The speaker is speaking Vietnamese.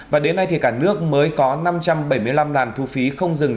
và đến nay thì cả nước mới có năm trăm bảy mươi năm làn thu phí không dừng